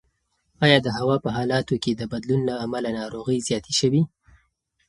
ایا د هوا په حالاتو کې د بدلون له امله ناروغۍ زیاتې شوي؟